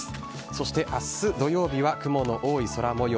そして明日土曜日は雲の多い空模様。